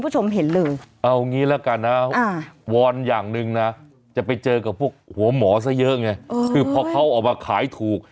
เจอกับพวกหัวหมอซะเยอะไงคือพอเขาออกมาขายถูก